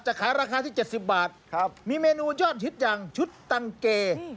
ขายราคาที่๗๐บาทมีเมนูยอดฮิตอย่างชุดตันเก